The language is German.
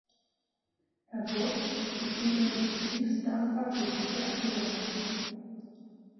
Herr Wurtz, ich bin Ihnen zutiefst dankbar für diese Erklärung.